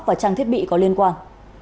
và trang thiết bị có liên quan